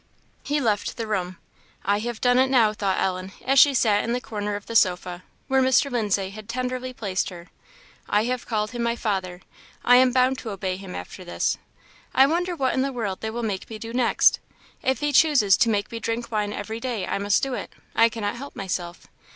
He left the room. "I have done it now!" thought Ellen, as she sat in the corner of the sofa, where Mr. Lindsay had tenderly placed her; "I have called him my father; I am bound to obey him after this. I wonder what in the world they will make me do next. If he chooses to make me drink wine every day, I must do it! I cannot help myself.